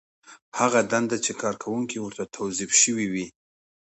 هغه دنده چې کارکوونکی ورته توظیف شوی وي.